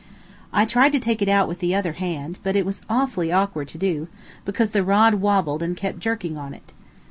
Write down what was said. I tried to take it out with the other hand, but it was awfully awkward to do, because the rod wobbled and kept jerking on it.